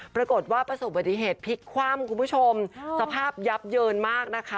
ปรากฏว่าประสบปฏิเหตุพลิกความคุณผู้ชมสภาพยับเยินมากนะคะ